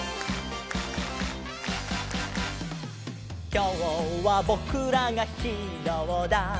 「きょうはぼくらがヒーローだ！」